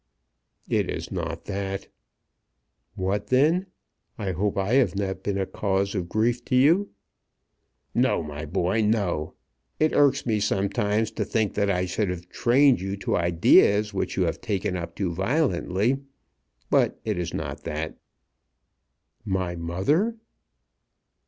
"It is not that." "What then? I hope I have not been a cause of grief to you?" "No, my boy; no. It irks me sometimes to think that I should have trained you to ideas which you have taken up too violently. But it is not that." "My mother